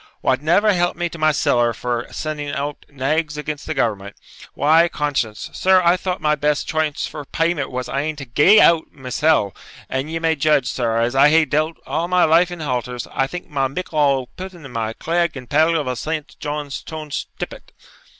] wad never help me to my siller for sending out naigs against the government, why, conscience! sir, I thought my best chance for payment was e'en to GAE OUT [Footnote: See Note 3.] mysell; and ye may judge, sir, as I hae dealt a' my life in halters, I think na mickle o' putting my craig in peril of a Saint John stone's tippet.'